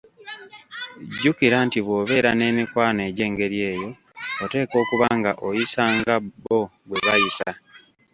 Jjukira nti bw'obeera n'emikwano egy'engeri eyo, oteekwa okuba nga oyisa nga bo bwebayisa.